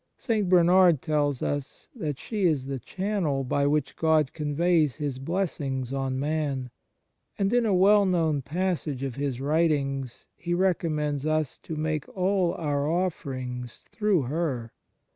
St. Bernard tells us that she is the channel by which God conveys His blessings on man, and in a well known passage of his writings he recommends us to make all our offerings through her.